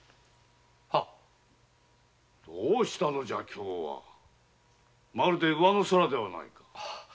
どうしたのじゃ今日はまるで上の空ではないか？